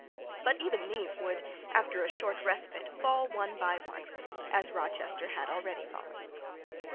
But even these would, after a short respite, fall one by one, as Rochester had already fallen.